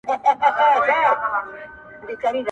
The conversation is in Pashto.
په پښو باندې ساه اخلم در روان يمه و تاته~